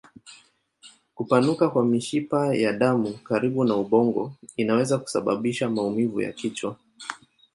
Kupanuka kwa mishipa ya damu karibu na ubongo inaweza kusababisha maumivu ya kichwa.